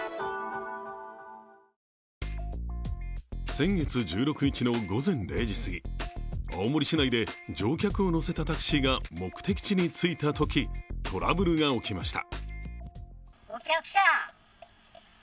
先月１６日の午前０時すぎ、青森市内で乗客を乗せたタクシーが目的地に着いたとき、トラブルが起きました。